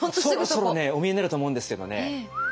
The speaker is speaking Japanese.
そろそろねお見えになると思うんですけどね。